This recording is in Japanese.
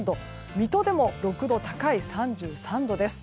水戸でも６度高い３３度です。